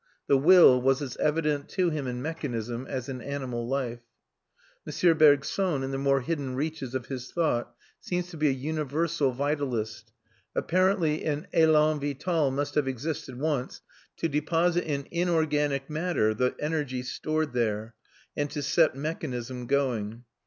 The "Will" was as evident to him in mechanism as in animal life. M. Bergson, in the more hidden reaches of his thought, seems to be a universal vitalist; apparently an élan vital must have existed once to deposit in inorganic matter the energy stored there, and to set mechanism going.